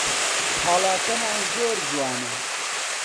ئاڵاکەمان زۆر جوانە